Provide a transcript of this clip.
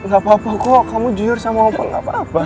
gak apa apa kok kamu jujur sama bapak gak apa apa